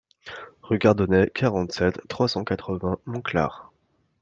Rue Cardonet, quarante-sept, trois cent quatre-vingts Monclar